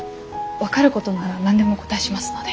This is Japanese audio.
分かることなら何でもお答えしますので。